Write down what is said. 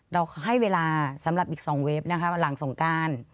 เราให้เวลาสำหรับอีก๒เว็บนะคะหลังสงการ